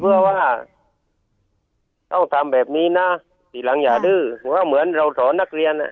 เพื่อว่าต้องทำแบบนี้นะทีหลังอย่าดื้อว่าเหมือนเราสอนนักเรียนอ่ะ